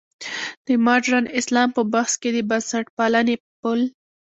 د مډرن اسلام په بحث کې د بنسټپالنې پل.